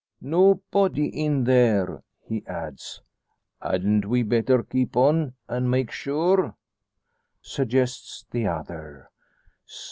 "No body in there!" he adds. "Hadn't we better keep on, an' make sure?" suggests the other.